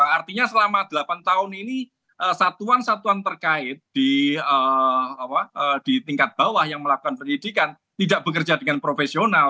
artinya selama delapan tahun ini satuan satuan terkait di tingkat bawah yang melakukan penyidikan tidak bekerja dengan profesional